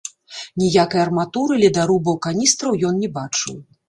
Ніякай арматуры, ледарубаў, каністраў ён не бачыў.